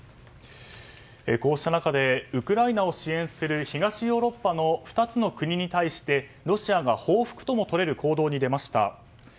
こうした中でウクライナを支援する東ヨーロッパの２つの国に対してロシアが報復とも取れる行動に出ました。